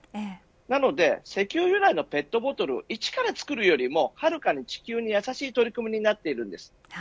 なので石油由来のペットボトルを１から作るよりもはるかに地球にやさしい取り組みになっているんです。